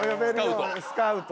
スカウト。